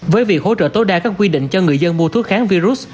với việc hỗ trợ tối đa các quy định cho người dân mua thuốc kháng virus